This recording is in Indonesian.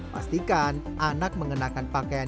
pastikan anak mengenakan pakaian